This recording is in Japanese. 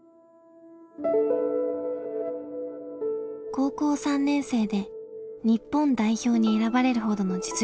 高校３年生で日本代表に選ばれるほどの実力をつけた。